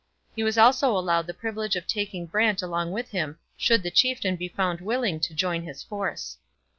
He was also allowed the privilege of taking Brant along with him, should the chieftain be found willing to join his force.